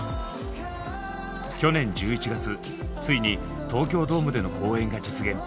去年１１月ついに東京ドームでの公演が実現。